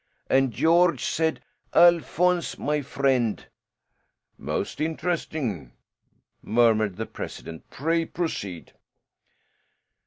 And Georges said, 'Alphonse, my friend '" "Most interesting," murmured the president. "Pray proceed."